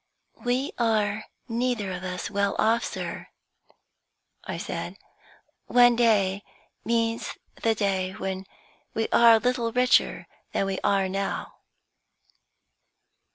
"We are neither of us well off, sir," I said. "One day means the day when we are a little richer than we are now."